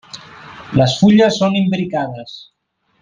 Les fulles són imbricades.